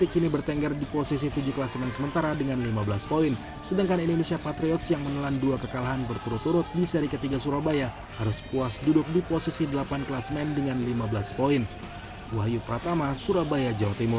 kita tidak bisa membuat poin yang mudah